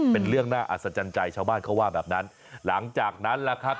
เป็นเรื่องน่าอัศจรรย์ใจชาวบ้านเขาว่าแบบนั้นหลังจากนั้นล่ะครับ